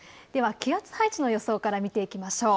気圧配置の予想から見ていきましょう。